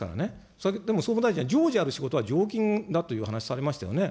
先ほど言ったように、総務大臣は、常時ある仕事は常勤だという話されましたよね。